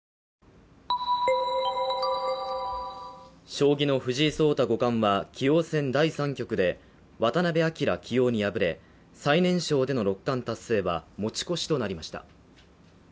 将棋の藤井聡太五冠は棋王戦第３局で渡辺明棋王に敗れ最年少での六冠達成は持ち越しとなりました。